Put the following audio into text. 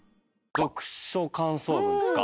読書感想文ですか？